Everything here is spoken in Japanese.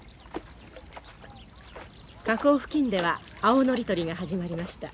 河口付近では青ノリ採りが始まりました。